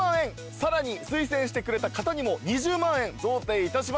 さらに推薦してくれた方にも２０万円贈呈いたします。